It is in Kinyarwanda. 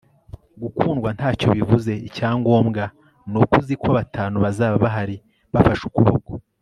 gukundwa ntacyo bivuze icyangombwa ni uko uzi ko batanu bazaba bahari bafashe ukuboko